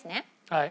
はい。